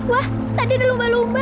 wah tadi ada lumba lumba